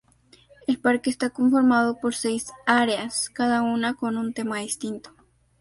El parque está conformado por seis áreas, cada una con un tema distinto.